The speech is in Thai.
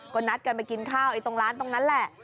ก็นัดกันไปกินข้าวตรงร้านตรงนั้นแหละ